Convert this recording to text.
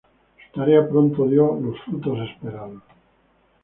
Su tarea pronto dio los frutos esperados.